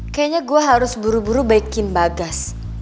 kayanya gue harus buru buru baikin pak gas